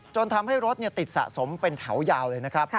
จนทำให้รถติดสะสมเป็นแถวยาวเลยนะครับ